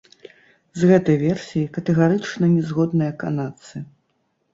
З гэтай версіяй катэгарычна не згодныя канадцы.